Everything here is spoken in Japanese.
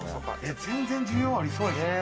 全然需要ありそうやけど。